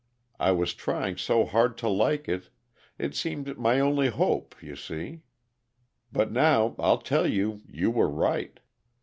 I was trying so hard to like it it seemed my only hope, you see. But now I'll tell you you were right.